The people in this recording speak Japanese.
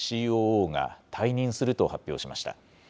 ＣＯＯが退任すると発表しました。